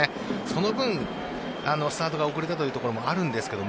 その分スタートが遅れたというところもあるんですけど